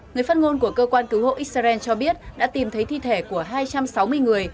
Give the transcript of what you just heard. người phát ngôn của cơ quan cứu hộ israel cho biết đã tìm thấy thi thể của hai trăm sáu mươi người